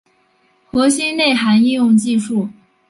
核心内涵应用技术